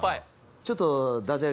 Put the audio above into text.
ちょっとね